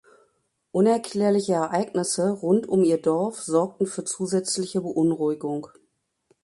Unerklärliche Ereignisse rund um ihr Dorf sorgten für zusätzliche Beunruhigung.